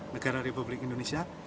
negara republik indonesia